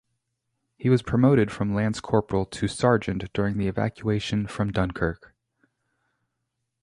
He was promoted from Lance corporal to Sergeant during the evacuation from Dunkirk.